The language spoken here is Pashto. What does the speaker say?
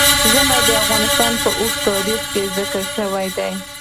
ژمی د افغانستان په اوږده تاریخ کې ذکر شوی دی.